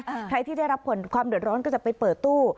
ใครที่ได้รับผลความเดือดร้อนก็จะไปเปิดตู้